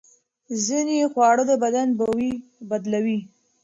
ځینې خواړه د بدن بوی بدلوي.